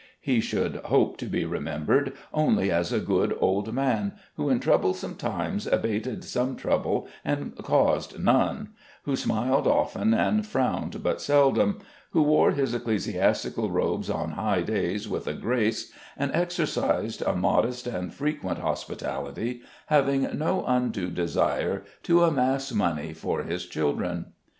He should hope to be remembered only as a good old man, who in troublesome times abated some trouble and caused none, who smiled often and frowned but seldom, who wore his ecclesiastical robes on high days with a grace, and exercised a modest and frequent hospitality, having no undue desire to amass money for his children.